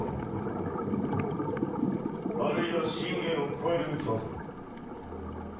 あるいは信玄を超える器ぞ。